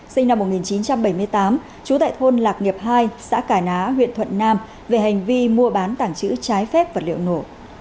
sinh năm một nghìn chín trăm bảy mươi tám trú tại thôn lạc nghiệp hai xã cà ná huyện thuận nam về hành vi mua bán tảng chữ trái phép vật liệu nổ